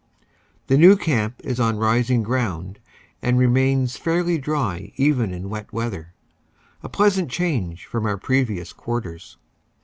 The new camp is on rising ground and remains fairly dry even in wet weather, a pleasant change from our previous quarters.